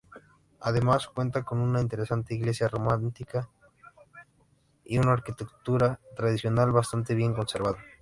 Además, cuenta con una interesante iglesia románica y una arquitectura tradicional bastante bien conservada.